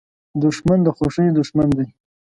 دښمن د خوښیو دوښمن دی